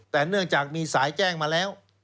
แต่เนื่องจากมีสายแจ้งมาแล้ว